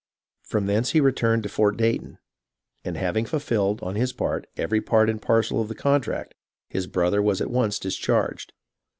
From thence he returned to Fort Dayton, and having ful filled, on his part, every part and parcel of the contract, his brother was at once discharged.